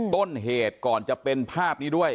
ต้นเหตุก่อนจะเป็นภาพนี้ด้วย